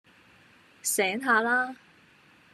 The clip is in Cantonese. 醒下啦